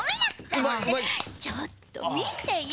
ちょっとみてよ。